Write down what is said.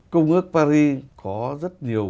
công ước paris có rất nhiều